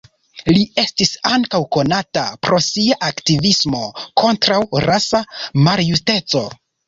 Li estis ankaŭ konata pro sia aktivismo kontraŭ rasa maljusteco.